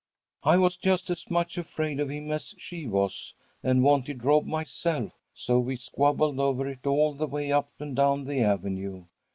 "I was just as much afraid of him as she was, and wanted Rob myself, so we squabbled over it all the way up and down the avenue.